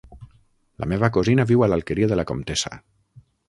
La meva cosina viu a l'Alqueria de la Comtessa.